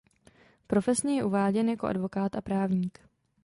Profesně je uváděn jako advokát a právník.